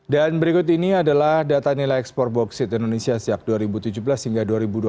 dan berikut ini adalah data nilai ekspor boksit indonesia sejak dua ribu tujuh belas hingga dua ribu dua puluh satu